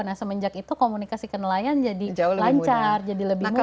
nah semenjak itu komunikasi ke nelayan jadi lancar jadi lebih mudah